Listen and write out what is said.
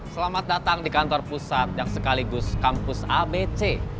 selamat datang di kantor pusat yang sekaligus kampus abc